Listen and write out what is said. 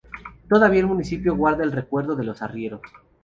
Todavía el municipio guarda el recuerdo de los arrieros.